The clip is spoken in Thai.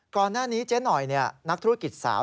ก่อนหน้านี้เจ๊หน่อยนักธุรกิจสาว